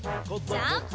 ジャンプ！